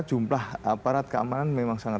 jumlah aparat keamanan memang sangat